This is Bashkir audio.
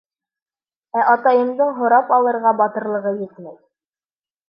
Ә атайымдың һорап алырға батырлығы етмәй.